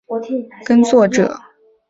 协助口头承租农地之耕作者